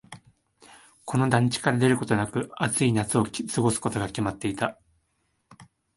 この団地から出ることなく、暑い夏を過ごすことが決まっていた。